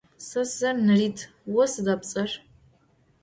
Se sts'er Nerıt, vo sıda pts'er?